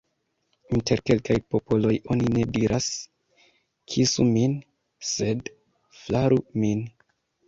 Inter kelkaj popoloj oni ne diras: « kisu min », sed « flaru min ».